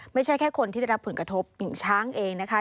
ไม่ใช่แค่คนที่ได้รับผลกระทบอย่างช้างเองนะคะ